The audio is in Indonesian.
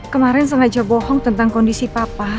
kemarin sengaja bohong tentang kondisi papa